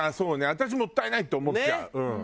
私もったいないって思っちゃう。